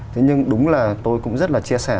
thế nhưng đúng là tôi cũng rất chia sẻ